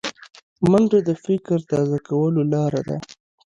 منډه د فکر تازه کولو لاره ده